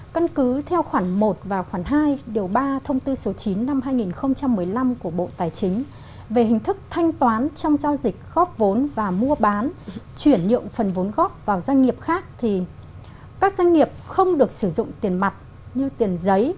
cân cứ theo khoản một và khoản hai điều ba thông tư số chín năm hai nghìn một mươi năm của bộ tài chính về hình thức thanh toán trong giao dịch góp vốn và mua bán chuyển nhượng phần vốn góp vào doanh nghiệp khác thì các doanh nghiệp không được sử dụng tiền mặt như tiền giấy